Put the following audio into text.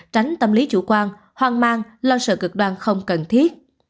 tránh tâm lý chủ quan hoang mang lo sợ cực đoan không cần thiết